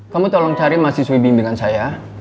kamu tolong cari mahasiswi bimbingan saya